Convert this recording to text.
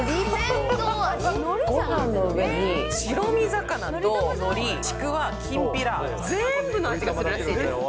ごはんに上に、白身魚とのり、ちくわ、きんぴら、全部の味がするらしいです。